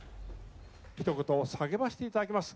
ひと言叫ばせていただきます。